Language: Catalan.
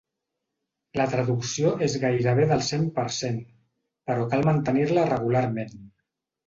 La traducció és gairebé del cent per cent, però cal mantenir-la regularment.